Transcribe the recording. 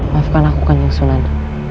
maafkan aku kan yang sunan